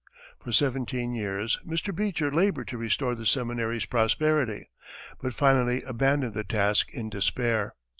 For seventeen years, Mr. Beecher labored to restore the seminary's prosperity, but finally abandoned the task in despair.